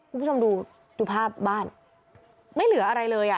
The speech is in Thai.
คุณผู้ชมดูดูภาพบ้านไม่เหลืออะไรเลยอ่ะ